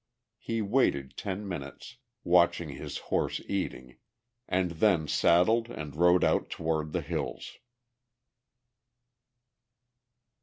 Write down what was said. He waited ten minutes, watching his horse eating, and then saddled and rode out toward the hills.